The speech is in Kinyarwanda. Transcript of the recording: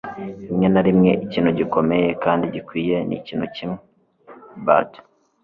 rimwe na rimwe ikintu gikomeye kandi gikwiye ni ikintu kimwe. (bart